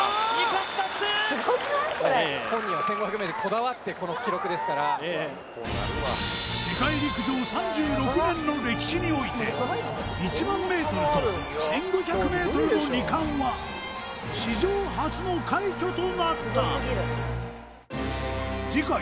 本人は１５００ｍにこだわってこの記録ですから世界陸上３６年の歴史において１００００ｍと１５００ｍの二冠は史上初の快挙となった次回